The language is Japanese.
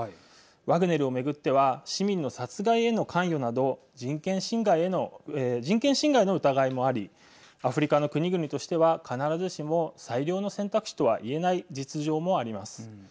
ワグネルを巡っては市民の殺害への関与など人権侵害の疑いもありアフリカの国々としては必ずしも最良の選択肢とはいえない実情もあります。